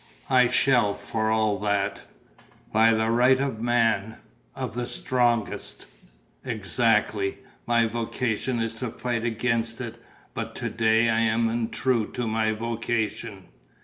"I shall, for all that." "By the right of the man, of the strongest?" "Exactly." "My vocation is to fight against it. But to day I am untrue to my vocation."